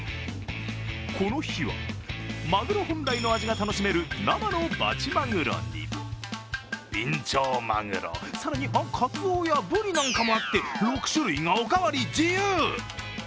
この日は、マグロ本来の味が楽しめる生のバチマグロにビンチョウマグロ、更にカツオやブリなんかもあって６種類がおかわり自由。